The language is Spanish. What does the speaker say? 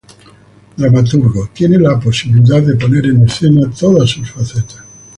Dramaturgo, tiene la posibilidad de poner en escena todas sus facetas.